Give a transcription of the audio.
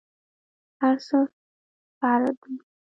هرڅه فرع دي.